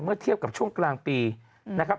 เทียบกับช่วงกลางปีนะครับ